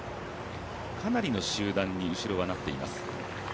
かなりの集団に後ろはなっています。